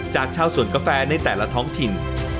จากชาวสวนกาแฟในแต่ละท้องถิ่น